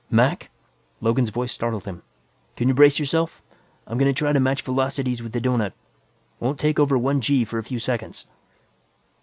"Mac?" Logan's voice startled him. "Can you brace yourself? I'm going to try to match velocities with the doughnut. Won't take over one 'g' for a few seconds."